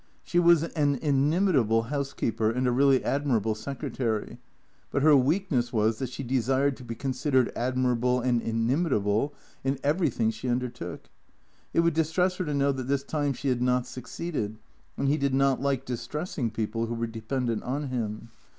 She was an inimitable housekeeper, and a really admirable secretary. But her weakness was that she desired to be considered admirable and inimitable in everything she undertook. It would distress her to know that this time she had not succeeded, and he did not like distressing people who were dependent on him.